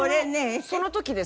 その時ですか？